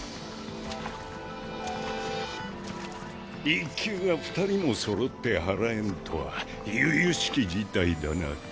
１級が２人もそろって祓えんとはゆゆしき事態だな。